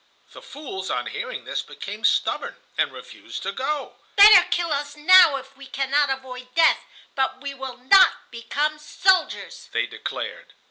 The fools on hearing this became stubborn and refused to go. "Better kill us now if we cannot avoid death, but we will not become soldiers," they declared.